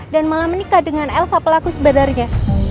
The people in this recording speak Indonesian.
dan malah menikah dengan elsa pelaku sebenarnya